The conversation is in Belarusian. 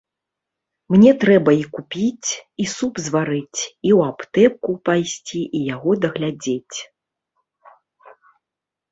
Мне трэба і купіць, і суп зварыць, і ў аптэку пайсці, і яго дагледзець.